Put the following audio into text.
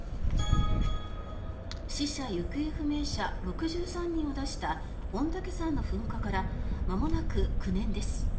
死者・行方不明者６３人を出した御嶽山の噴火からまもなく９年です。